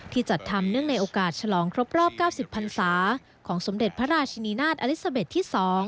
จัดทำเนื่องในโอกาสฉลองครบรอบ๙๐พันศาของสมเด็จพระราชินินาศอลิซาเบ็ดที่๒